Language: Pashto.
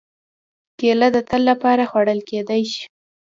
کېله د تل لپاره خوړل کېدای شي.